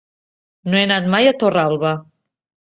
No he anat mai a Torralba.